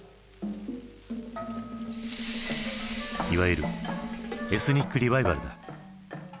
いわゆるエスニック・リバイバルだ。